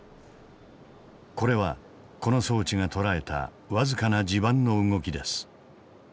これはこの装置が捉えた僅かな地盤の動きです。